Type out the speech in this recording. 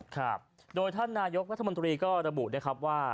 ครับโดยท่านนายกรัฐมนตรีก็ระบุนะครับว่า